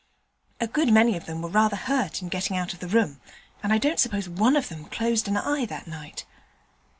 A good many of them were rather hurt in getting out of the room, and I don't suppose one of them closed an eye that night.